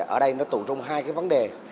ở đây nó tụ trung hai cái vấn đề